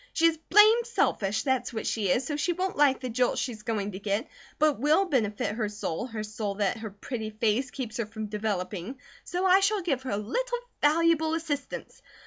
She is blame selfish, that's what she is, so she won't like the jolt she's going to get; but it will benefit her soul, her soul that her pretty face keeps her from developing, so I shall give her a little valuable assistance.